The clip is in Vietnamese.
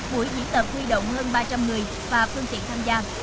buổi diễn tập huy động hơn ba trăm linh người và phương tiện tham gia